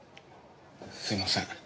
すいません。